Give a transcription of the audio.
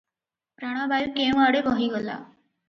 ପ୍ରାଣବାୟୁ କେଉଁଆଡ଼େ ବହିଗଲା ।